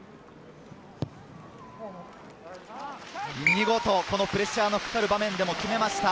見事、このプレッシャーのかかる場面でも決めました。